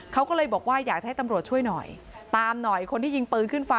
เขาก็เลยบอกว่าอยากจะให้ตำรวจช่วยหน่อยตามหน่อยคนที่ยิงปืนขึ้นฟ้า